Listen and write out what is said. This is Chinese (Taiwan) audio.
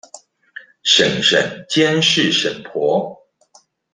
嬸嬸監視嬸婆